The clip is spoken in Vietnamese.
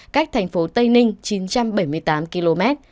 cách thành phố tây ninh chín trăm bảy mươi tám km